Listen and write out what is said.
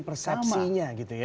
di persepsinya gitu ya